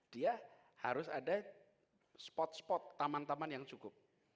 dia harus ada spot spot taman taman yang cukup